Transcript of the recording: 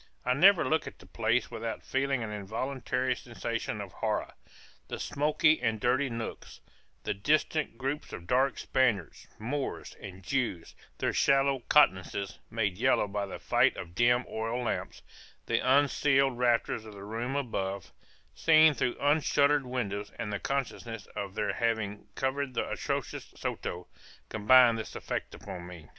I never look at the place without feeling an involuntary sensation of horror the smoky and dirty nooks the distant groups of dark Spaniards, Moors, and Jews, their sallow countenances made yellow by the fight of dim oil lamps the unceiled rafters of the rooms above, seen through unshuttered windows and the consciousness of their having covered the atrocious Soto, combine this effect upon me.